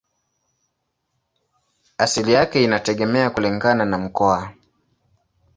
Asili yake inategemea kulingana na mkoa.